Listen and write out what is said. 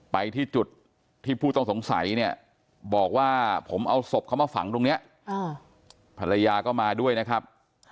ไปที่จุดที่ผู้ต้องสงสัยเนี่ยบอกว่าผมเอาศพเขามาฝังตรงนี้ภรรยาก็มาด้วยนะครับ